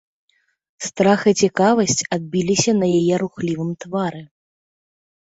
Страх і цікавасць адбіліся на яе рухлівым твары.